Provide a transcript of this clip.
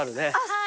はい。